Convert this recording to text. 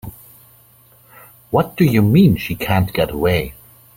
What do you mean she can't get away?